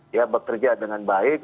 dia bekerja dengan baik